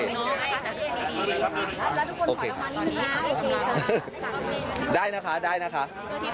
รับทุกคนได้นะคะได้นะคะ